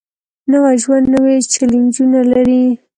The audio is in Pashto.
نوی ژوند نوې چیلنجونه لري